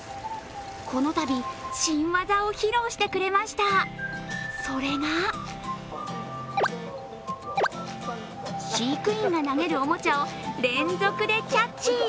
このたび新技を披露してくれました、それが飼育員が投げるおもちゃを連続でキャッチ。